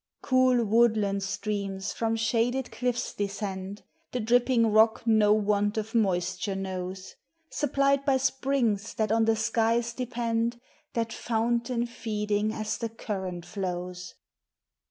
Cool, woodland streams from shaded cliffs descend, The dripping rock no want of moisture knows, Supplied by springs that on the skies depend, That fountain feeding as the current flows.